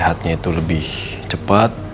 sehatnya itu lebih cepat